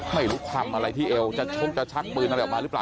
ไม่รู้คำอะไรที่เอวจะชกปืนอะไรออกมาหรือเปล่า